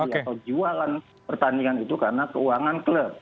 atau jualan pertandingan itu karena keuangan klub